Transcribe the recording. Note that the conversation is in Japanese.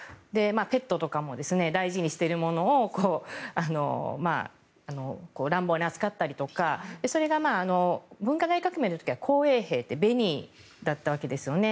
ペットとかも大事にしているものを乱暴に扱ったりとかそれが文化大革命の時は紅衛兵って紅だったわけですよね。